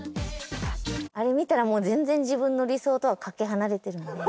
あれ見たらもう全然自分の理想とはかけ離れてるので。